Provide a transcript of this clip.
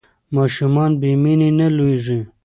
ماشومان بې مینې نه لویېږي.